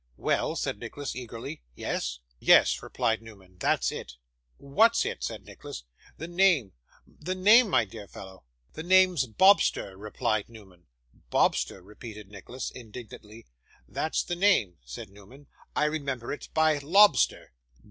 'Well?' said Nicholas eagerly. 'Yes?' 'Yes,' replied Newman. 'That's it.' 'What's it?' said Nicholas. 'The name the name, my dear fellow!' 'The name's Bobster,' replied Newman. 'Bobster!' repeated Nicholas, indignantly. 'That's the name,' said Newman. 'I remember it by lobster.